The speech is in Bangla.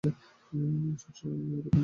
সবসমইয় এরকমই করে!